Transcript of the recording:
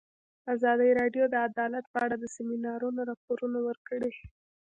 ازادي راډیو د عدالت په اړه د سیمینارونو راپورونه ورکړي.